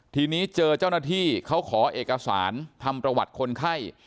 ทีนี้เจอเจ้าหน้าที่เขาขอเอกสารทำประวัติคนไข้